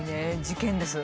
事件です。